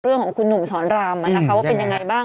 เรื่องของคุณหนุ่มสอนรามว่าเป็นยังไงบ้าง